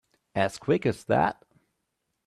As quick as that?